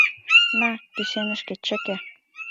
На, кӱсенышкет чыке.